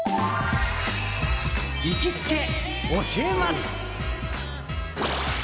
行きつけ教えます！